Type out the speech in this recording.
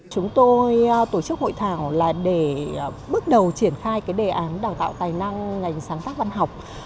chúng tôi tổ chức hội thảo là để bước đầu triển khai cái đề án đào tạo tài năng ngành sáng tác văn học